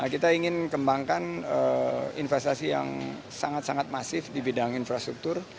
kita ingin kembangkan investasi yang sangat sangat masif di bidang infrastruktur